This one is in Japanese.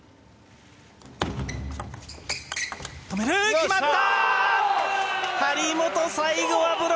決まった！